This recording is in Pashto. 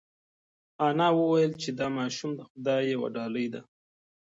انا وویل چې دا ماشوم د خدای یوه ډالۍ ده.